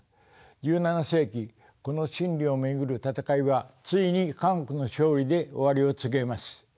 １７世紀この真理を巡る戦いはついに科学の勝利で終わりを告げます。